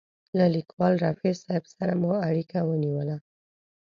له لیکوال رفیع صاحب سره مو اړیکه ونیوله.